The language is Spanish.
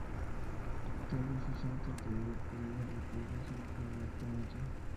Toby se siente atraído por ella y pierde su virginidad con ella.